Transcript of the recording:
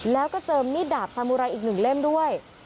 แล้วก็เจอมีดดาบสามุไรอีก๑เล่มด้วย